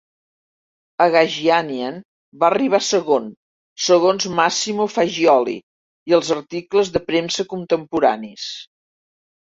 Agagianian va arribar segon, segons Massimo Faggioli i els articles de premsa contemporanis.